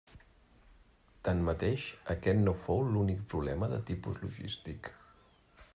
Tanmateix, aquest no fou l'únic problema de tipus «logístic».